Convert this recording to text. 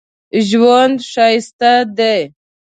ژوند ښایسته دی